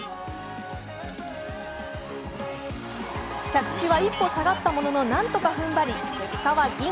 着地は一歩下がったもののなんとか踏ん張り、結果は銀。